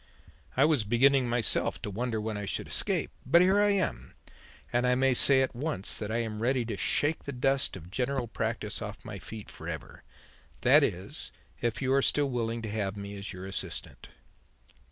"I was beginning, myself, to wonder when I should escape. But here I am; and I may say at once that I am ready to shake the dust of general practice off my feet for ever that is, if you are still willing to have me as your assistant."